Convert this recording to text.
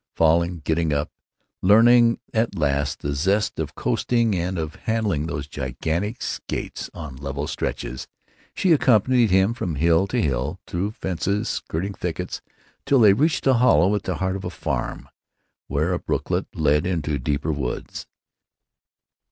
Falling, getting up, learning at last the zest of coasting and of handling those gigantic skates on level stretches, she accompanied him from hill to hill, through fences, skirting thickets, till they reached a hollow at the heart of a farm where a brooklet led into deeper woods.